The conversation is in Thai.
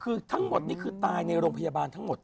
คือทั้งหมดนี่คือตายในโรงพยาบาลทั้งหมด